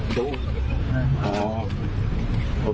น้องน้ำน้อง